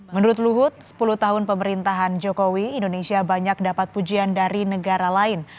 menurut luhut sepuluh tahun pemerintahan jokowi indonesia banyak dapat pujian dari negara lain